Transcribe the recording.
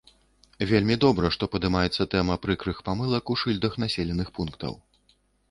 Вельмі добра, што падымаецца тэма прыкрых памылак у шыльдах населеных пунктаў.